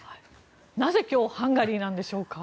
なぜ今日ハンガリーなんでしょうか。